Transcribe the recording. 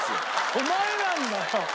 お前なんだよ！